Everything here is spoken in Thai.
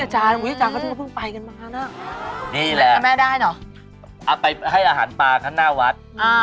อุ๊ยอาจารย์ก็เพิ่งไปกันมาน่ะนี่แหละแม่ได้เหรอเอาไปให้อาหารปลาข้างหน้าวัดอ่า